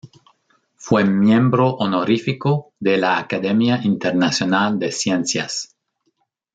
Fue miembro honorífico de la Academia Internacional de Ciencias.